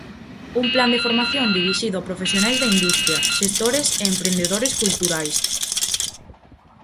Un plan de formación dirixido a profesionais da industria, xestores e emprendedores culturais.